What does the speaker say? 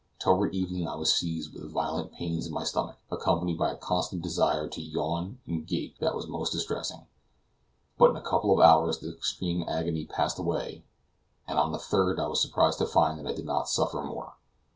Toward evening I was seized with violent pains in the stomach, accompanied by a constant desire to yawn and gape that was most distressing; but in a couple of hours the extreme agony passed away, and on the 3d I was surprised to find that I did not suffer more.